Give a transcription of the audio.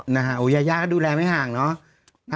นะฮะยายาก็ดูแลไม่ห่างเนาะ